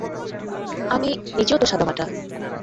আমি নিজেও তো সাদামাটা।